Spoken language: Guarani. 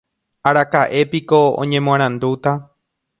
Araka'épiko oñemoarandúta.